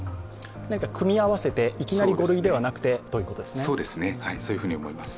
組み合わせて、いきなり５類ではなくてということですね。